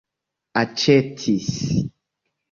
aĉetis